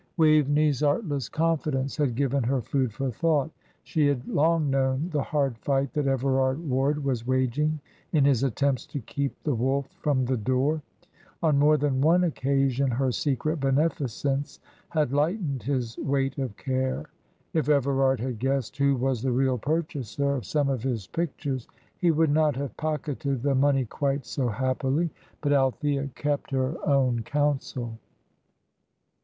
Waveney's artless confidence had given her food for thought. She had long known the hard fight that Everard Ward was waging, in his attempts to keep the wolf from the door. On more than one occasion her secret beneficence had lightened his weight of care. If Everard had guessed who was the real purchaser of some of his pictures, he would not have pocketed the money quite so happily; but Althea kept her own counsel.